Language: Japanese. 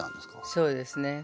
そうですね。